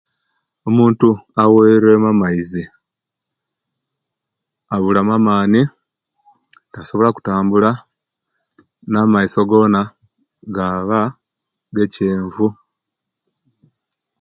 Omuntu aweremu amaizi abula mu amani tasobola okutambula namaiso gona gaba gechenvu